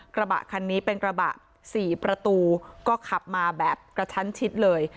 กระบะคันนี้เป็นกระบะ๔ประตูก็ขับมาแบบกระชั้นชิดเลย